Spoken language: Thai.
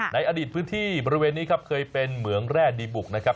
ในอดีตพื้นที่บริเวณนี้ครับเคยเป็นเหมืองแร่ดีบุกนะครับ